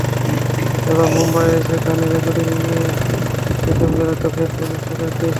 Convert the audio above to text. এবার মুম্বাইয়ে এসে গানের রেকর্ডিং নিয়ে প্রীতমদার একটা ফেসবুক স্ট্যাটাস দেখি।